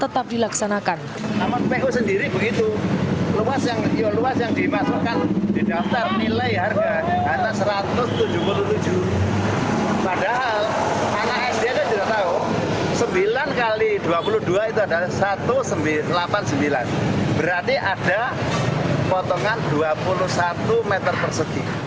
tidak tahu sembilan x dua puluh dua itu adalah satu delapan sembilan berarti ada potongan dua puluh satu meter persegi